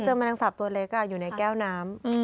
เคยเจอมะแรงสาบตัวเล็กอะอยู่ในแก้วน้ำ